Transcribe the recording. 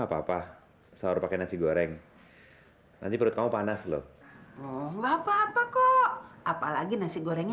apa apa sahur pakai nasi goreng nanti perut kamu panas loh enggak apa apa kok apalagi nasi gorengnya